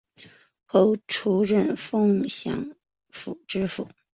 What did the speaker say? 后出任凤翔府知府。